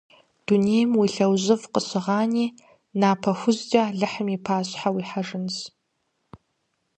Дунейм уи лъэужьыфӀ къыщыгъани, напэ хужькӀэ Алыхьым и пащхьэ уихьэжынщ…